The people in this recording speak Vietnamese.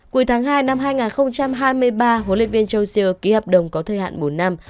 cuối tháng hai năm hai nghìn hai mươi ba huấn luyện viên chausseur ký hợp đồng có thời hạn bốn năm